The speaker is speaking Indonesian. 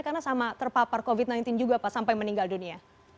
karena sama terpapar covid sembilan belas juga pak sampai meninggal dunia